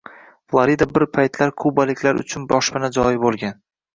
Florida bir paytlar kubaliklar uchun boshpana joyi bo'lgan